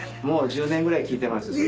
もう１０年ぐらい聞いてます。